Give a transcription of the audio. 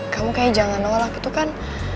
kamu kayaknya jangan nolak itu kan